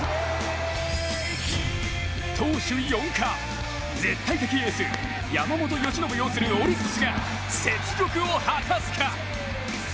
投手４冠、絶対的エース山本由伸擁するオリックスが雪辱を果たすか。